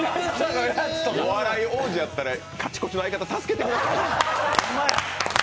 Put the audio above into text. お笑い王子やったら、カチコチの相方、助けてやってください。